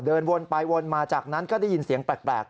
เดินวนไปวนมาจากนั้นก็ได้ยินเสียงแปลก